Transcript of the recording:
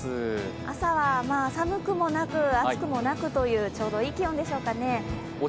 朝は寒くもなく、暑くもなくというちょうどいい気温でしょうかね。